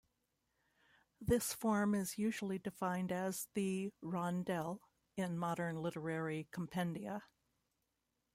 This form is usually defined as the "rondel" in modern literary compendia.